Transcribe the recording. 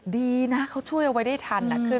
ดีนะเขาช่วยเอาไว้ได้ทัน